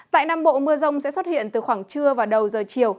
tại nam bộ mưa rông sẽ xuất hiện từ khoảng trưa và đầu giờ chiều